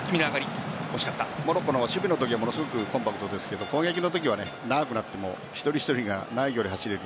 モロッコの守備のときはすごくコンパクトですけど攻撃のときは長くなっても一人一人が長い距離を走れる。